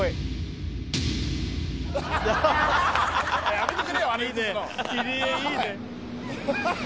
やめてくれよあれ映すの。